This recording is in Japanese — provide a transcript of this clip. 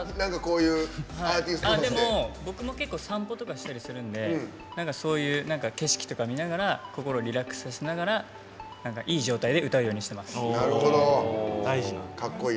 僕も結構散歩とかしたりするのでそういう景色とかを見ながら心をリラックスさせながらいい状態で歌うようにしてます。